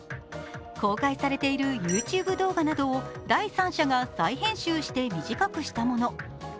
公開されているＹｏｕＴｕｂｅ動画などを第三者が再編集して短くしたもの。